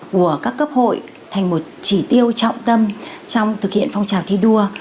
của các cấp hội thành một chỉ tiêu trọng tâm trong thực hiện phong trào thi đua